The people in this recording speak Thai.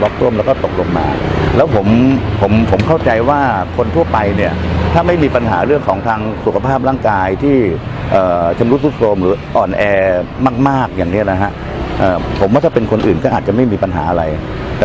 ก็อาจจะไม่มีปัญหาอะไรแต่เพียงแต่ว่าอะไรน๒๔๐๐๐๑